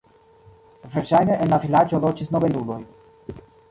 Verŝajne en la vilaĝo loĝis nobeluloj.